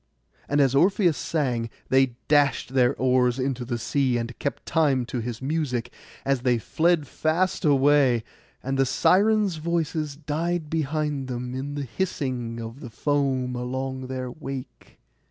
And as Orpheus sang, they dashed their oars into the sea, and kept time to his music, as they fled fast away; and the Sirens' voices died behind them, in the hissing of the foam along their wake.